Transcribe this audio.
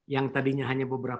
yang tadinya hanya pembuatan radio